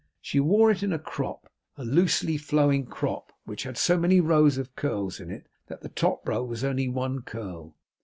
She wore it in a crop, a loosely flowing crop, which had so many rows of curls in it, that the top row was only one curl.